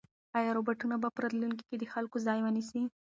ایا روبوټونه به په راتلونکي کې د خلکو ځای ونیسي؟